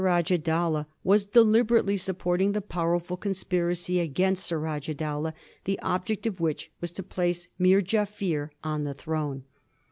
with Sarajah Dowlah, was deliberately supporting the powerful conspiracy against Surajah Dowlah, the object of which was to place Meer Jaffier on the throne.